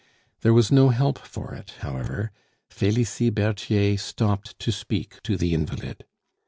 There was no help for it, however; Felicie Berthier stopped to speak to the invalid.